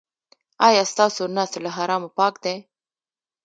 ایا ستاسو نس له حرامو پاک دی؟